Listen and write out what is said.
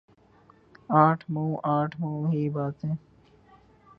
آٹھ منہ آٹھ ہی باتیں ۔